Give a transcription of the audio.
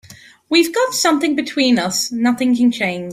We've got something between us nothing can change.